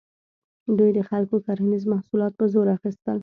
دوی د خلکو کرنیز محصولات په زور اخیستل.